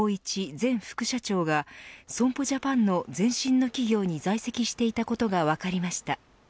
前副社長が損保ジャパンの前身の企業に在籍していたことが分かりました。